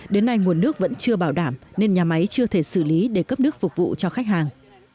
đến nay nguồn nước vẫn chưa bảo đảm nên nhà máy chưa thể xử lý để cấp nước phục vụ cho khách hàng